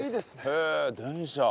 へえ電車。